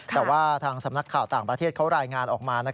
แต่ว่าทางสำนักข่าวต่างประเทศเขารายงานออกมา